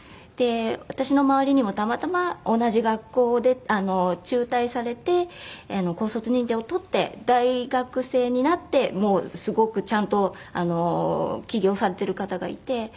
で私の周りにもたまたま同じ学校を中退されて高卒認定を取って大学生になってすごくちゃんと起業されてる方がいて。